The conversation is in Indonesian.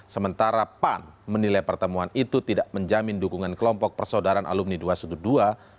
sementara pan menilai pertemuan itu tidak menjamin dukungan kelompok persaudaraan alumni dua ratus dua belas